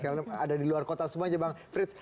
karena ada di luar kota semuanya bang frits